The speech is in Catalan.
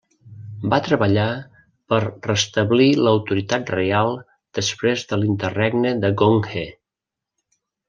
Va treballar per restablir l'autoritat reial després de l'interregne de Gong He.